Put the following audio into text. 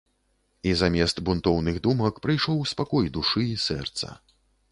І замест бунтоўных думак прыйшоў спакой душы і сэрца.